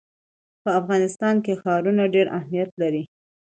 په افغانستان کې ښارونه ډېر اهمیت لري.